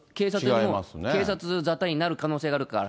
警察沙汰になる可能性があるから。